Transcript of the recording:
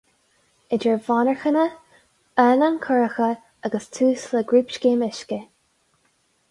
Idir mhonarchana, fhánán curacha agus tús le grúpscéim uisce.